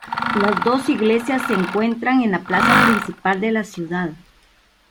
Los dos iglesias se encuentran en la plaza principal de la ciudad.